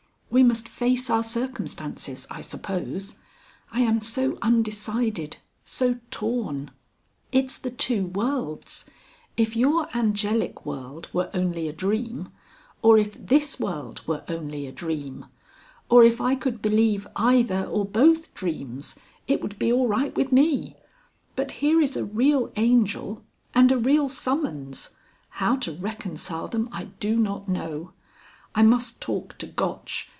We must face our circumstances, I suppose. I am so undecided so torn. It's the two worlds. If your Angelic world were only a dream, or if this world were only a dream or if I could believe either or both dreams, it would be all right with me. But here is a real Angel and a real summons how to reconcile them I do not know. I must talk to Gotch....